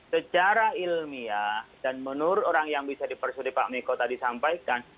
secara ilmiah dan menurut orang yang bisa dipersulit pak miko tadi sampaikan